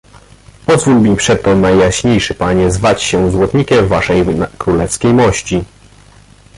"Pozwól mi przeto, Najjaśniejszy Panie, zwać się złotnikiem Waszej królewskiej mości."